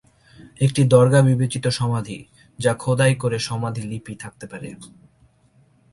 একটি দরগা বিবেচিত সমাধি যা খোদাই করে সমাধি লিপি থাকতে পারে।